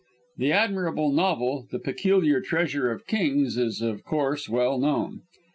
The admirable novel, "The Peculiar Treasure of Kings," is of course well known.